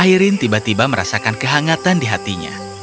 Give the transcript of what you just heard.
airin tiba tiba merasakan kehangatan di hatinya